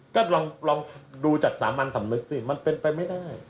ก็ลองดูจากสามัญสำนึกสิมันเป็นไปไม่ได้